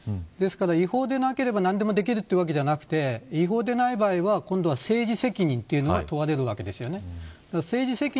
ですから違法でなければ何でもできるというわけではなくて違法でない場合は今度は政治責任というのが問われるわけですよね。